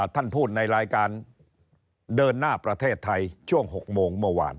ท่านพูดในรายการเดินหน้าประเทศไทยช่วง๖โมงเมื่อวาน